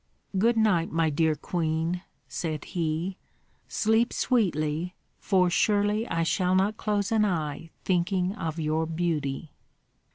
"Good night, my dear queen," said he, "sleep sweetly, for surely I shall not close an eye thinking of your beauty."